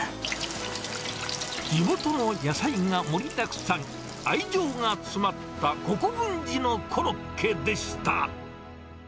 地元の野菜が盛りだくさん、愛情が詰まった国分寺のコロッケでした。